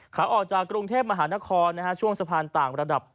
ขาออกจากกรุงเทพมหานครช่วงสะพานต่างระดับ